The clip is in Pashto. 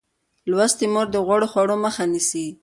لوستې مور د غوړو خوړو مخه نیسي.